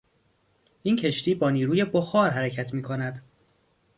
این کشتی با نیروی بخار حرکت میکند.